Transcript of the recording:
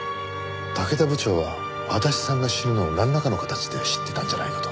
竹田部長は足立さんが死ぬのをなんらかの形で知ってたんじゃないかと。